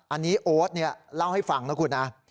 อันนี้โอ๊ตเล่าให้ฟังนะคุณนะ